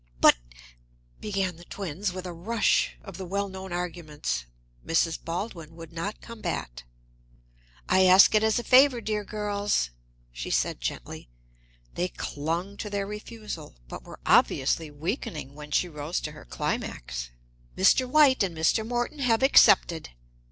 "But !" began the twins, with a rush of the well known arguments. Mrs. Baldwin would not combat. "I ask it as a favor, dear girls," she said gently. They clung to their refusal, but were obviously weakening when she rose to her climax: "Mr. White and Mr. Morton have accepted!"